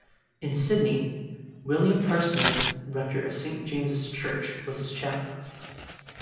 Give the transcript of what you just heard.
In Sydney, William Carr Smith, rector of Saint James' Church was his chaplain.